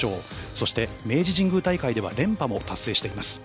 そして、明治神宮大会では連覇も達成しています。